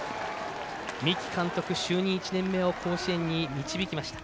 三木監督、就任１年目を甲子園に導きました。